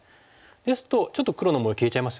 ですとちょっと黒の模様消えちゃいますよね。